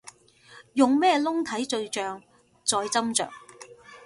用咩窿睇對象再斟酌